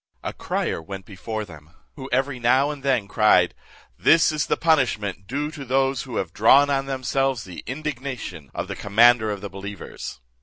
A crier went before them, who every now and then cried, "This is the punishment due to those who have drawn on themselves the indignation of the commander of the believers."